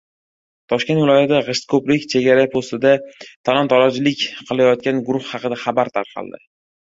Toshkent viloyati Gʻishtkoʻprik chegara postida talon-torojlik qilayotgan guruh haqida xabar tarqaldi.